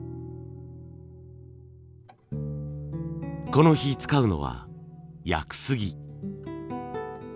この日使うのは屋久杉。